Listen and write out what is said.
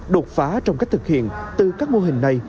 đột phá trong cách thực hiện từ các mô hình này